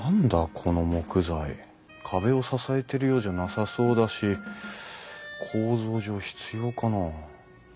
この木材壁を支えてるようじゃなさそうだし構造上必要かな？